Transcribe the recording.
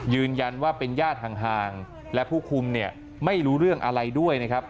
ยืนยันว่าเป็นญาติห่างและผู้คุมเนี่ยไม่รู้เรื่องอะไรด้วยนะครับ